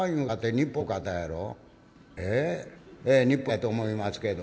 日本のお人やと思いますけど」。